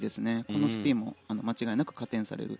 このスピンも間違いなく加点される